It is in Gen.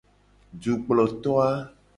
Dukploto a.